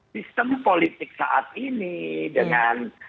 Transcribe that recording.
sistem politik saat ini dengan